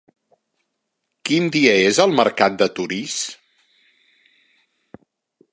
Quin dia és el mercat de Torís?